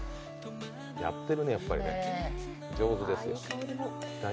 やってるね、やっぱり上手ですよ。